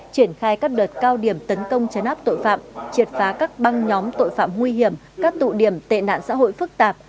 triển khai các đợt cao điểm tấn công chấn áp tội phạm triệt phá các băng nhóm tội phạm nguy hiểm các tụ điểm tệ nạn xã hội phức tạp